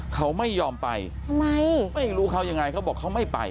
เขาไม่ยอมไปทำไมไม่รู้เขายังไงเขาบอกเขาไม่ไป